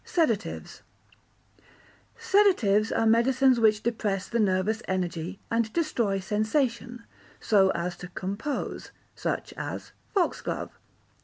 Sedatives Sedatives are medicines which depress the nervous energy, and destroy sensation, so as to compose, such as foxglove.